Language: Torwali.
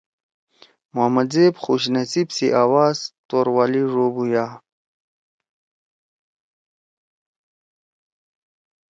محمد زیب خوش نصیب سی آواز توورالی ڙو بُھویا۔